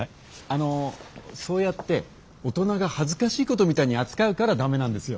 あのそうやって大人が恥ずかしいことみたいに扱うから駄目なんですよ。